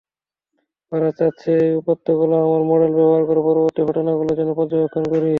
ওরা চাচ্ছে এই উপাত্তগুলো আমার মডেলে ব্যবহার করে পরবর্তী ঘটনাগুলো যেন পর্যবেক্ষণ করি।